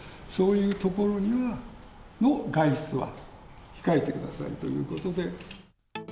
そういう所への外出は控えてくださいということで。